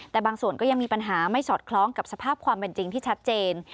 แต่บางส่วนก็ยังมีปัญหาไม่สอดคล้องกับสภาพความเป็นจริงที่ชัดเจน